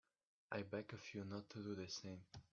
I beg of you not to do this thing.